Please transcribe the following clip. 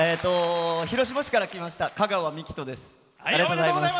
広島市から来ましたかがわです。